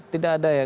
tidak ada ya